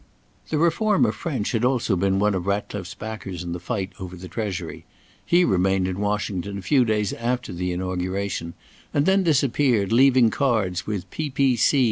The reformer French had also been one of Ratcliffe's backers in the fight over the Treasury. He remained in Washington a few days after the Inauguration, and then disappeared, leaving cards with P.P.C.